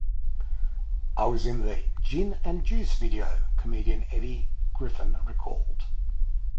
"I was in the 'Gin and Juice' video," comedian Eddie Griffin recalled.